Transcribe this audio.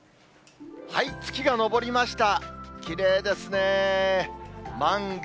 月が昇りました。